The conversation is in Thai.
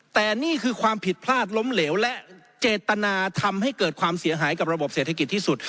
แต่นี่คือความผิดพลาดล้มเหลวและเจตนาทำให้เกิดความเสียหายกับระบบเศรษฐกิจที่สุด